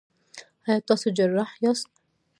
ایا تاسو جراح یاست؟